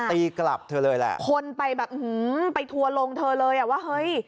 ตีกลับเธอเลยแหละคนไปแบบหือไปทัวร์ลงเธอเลยอ่ะว่าเฮ้ย